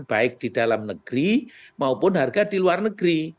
baik di dalam negeri maupun harga di luar negeri